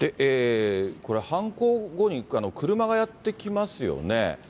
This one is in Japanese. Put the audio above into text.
これ犯行後に車がやって来ますよね。